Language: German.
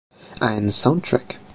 Ein Soundtrack“.